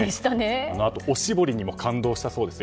あのあと、おしぼりにも感動したそうですよ。